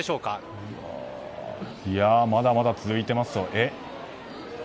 まだまだ続いていますね。